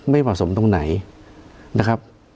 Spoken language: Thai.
ไม่ผสมตรงไหนนะครับ